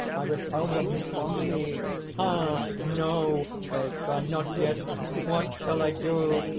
I repel them from me. 'Ah! no!' they cry, 'not yet! What shall I do?'